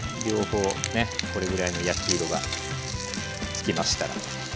両方これぐらいの焼き色がつきましたら。